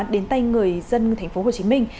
đến tay người dân tp hcm